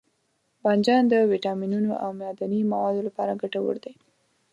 بانجان د ویټامینونو او معدني موادو لپاره ګټور دی.